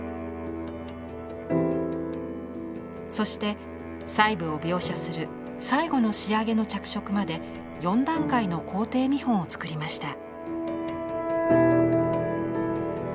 そして細部を描写する最後の仕上げの着色まで４段階の工程見本をつくりました。